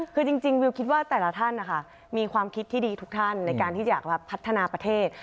คือจริงวิวคิดว่าแต่ละท่านนะคะมีความคิดที่ดีทุกท่านในการที่อยากพัฒนาประเทศ